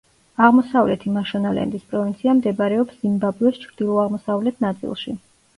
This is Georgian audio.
აღმოსავლეთი მაშონალენდის პროვინცია მდებარეობს ზიმბაბვეს ჩრდილო-აღმოსავლეთ ნაწილში.